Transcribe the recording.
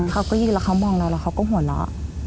เขาก็ยืนแล้วเขามองเราแล้วเขาก็หัวเราะ